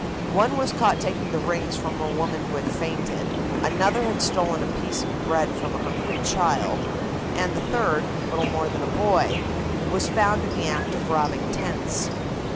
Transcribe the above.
One was caught taking the rings from a woman who had fainted, another had stolen a piece of bread from a hungry child, and the third, little more than a boy, was found in the act of robbing tents.